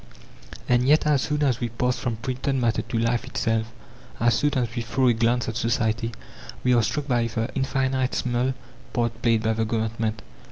And yet as soon as we pass from printed matter to life itself, as soon as we throw a glance at society, we are struck by the infinitesimal part played by the Government.